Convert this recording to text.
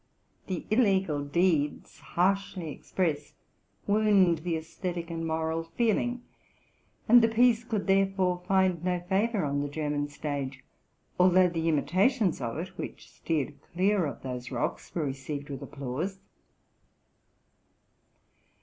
The illegal deeds, harshly expressed, wound the esthetic and moral feeling, and the piece could therefore find no fayor on the German stage; although the imitations of it, which steered clear of those rocks, were received with applause.